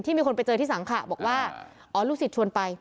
มีคนไปเจอที่สังขะบอกว่าอ๋อลูกศิษย์ชวนไป